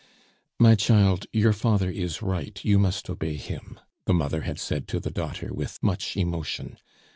"My child, your father is right; you must obey him," the mother had said to the daughter with much emotion.